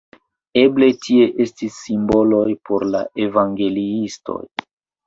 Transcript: Eble tie estis simboloj por la evangeliistoj.